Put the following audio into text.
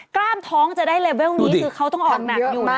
กล้ามท้องจะได้เลเวลนี้คือเขาต้องออกหนักอยู่